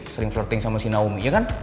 sering flirting sama si nomi ya kan